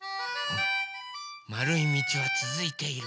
まるいみちはつづいている。